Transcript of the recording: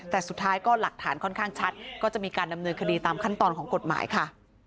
แต่สุดท้ายก็หลักฐานค่อนข้างชัดก็จะมีการดำเนินคดีตามขั้นตอนของกฎหมายค่ะ